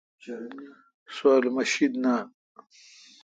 سو الو مہ شید نان